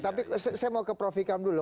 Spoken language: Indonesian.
tapi saya mau ke profil kamu dulu